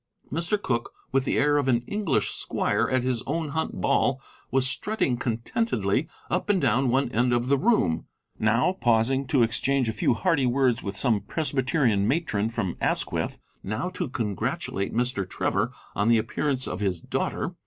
Mr. Cooke, with the air of an English squire at his own hunt ball, was strutting contentedly up and down one end of the room, now pausing to exchange a few hearty words with some Presbyterian matron from Asquith, now to congratulate Mr. Trevor on the appearance of his daughter.